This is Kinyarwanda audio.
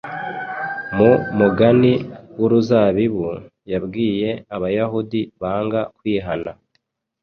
Mu mugani w’uruzabibu, yabwiye Abayahudi banga kwihana